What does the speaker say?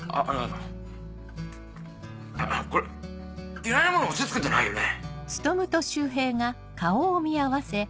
これいらないもの押し付けてないよね？